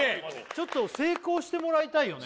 ちょっと成功してもらいたいよね